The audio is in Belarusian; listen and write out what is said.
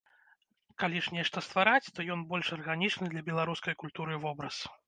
Калі ж нешта ствараць, то ён больш арганічны для беларускай культуры вобраз.